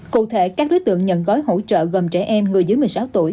cụ thể các đối tượng nhận gói hỗ trợ gồm trẻ em người dưới một mươi sáu tuổi